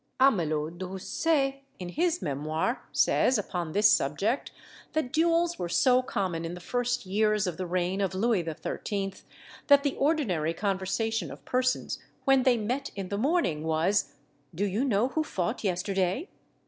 Amelot de Houssaye, in his Memoirs, says, upon this subject, that duels were so common in the first years of the reign of Louis XIII., that the ordinary conversation of persons when they met in the morning was, "_Do you know who fought yesterday?